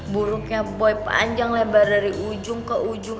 buruknya boy panjang lebar dari ujung ke ujung